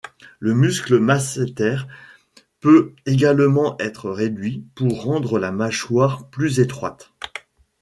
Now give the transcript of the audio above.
Le muscle masséter peut également être réduit pour rendre la mâchoire plus étroite.